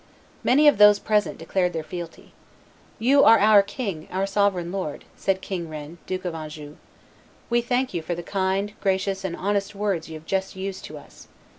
Many of those present declared their fealty. "You are our king, our sovereign lord," said King Rene, Duke of Anjou; "we thank you for the kind, gracious, and honest words you have just used to us.